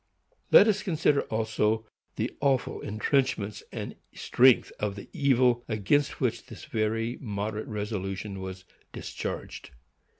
Let us consider, also, the awful intrenchments and strength of the evil against which this very moderate resolution was discharged.